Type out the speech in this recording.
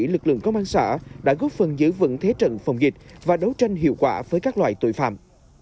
lực lượng công an xã đã góp phần giữ vững thế trận phòng dịch và đấu tranh hiệu quả với các loại tội phạm